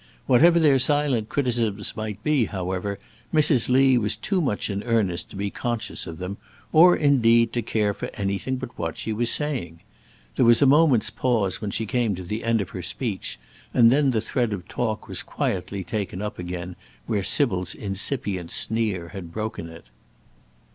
Whatever their silent criticisms might be, however, Mrs. Lee was too much in earnest to be conscious of them, or, indeed, to care for anything but what she was saying. There was a moment's pause when she came to the end of her speech, and then the thread of talk was quietly taken up again where Sybil's incipient sneer had broken it.